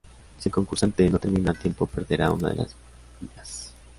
Si el concursante no termina a tiempo perderá una de las vidas.